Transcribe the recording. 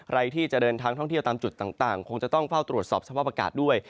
ใครที่จะเดินทางท่องเที่ยวตามจุดต่างคงจะต้องเฝ้าตรวจสอบสภาพอากาศด้วย